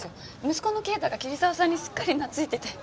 息子の圭太が桐沢さんにすっかり懐いてて。